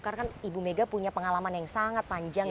karena kan ibu mega punya pengalaman yang sangat panjang